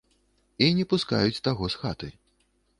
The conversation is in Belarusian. І не пускаюць таго з хаты.